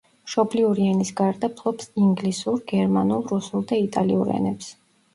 მშობლიური ენის გარდა ფლობს: ინგლისურ, გერმანულ, რუსულ და იტალიურ ენებს.